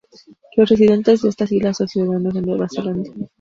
Los residentes de estas islas son ciudadanos de Nueva Zelanda.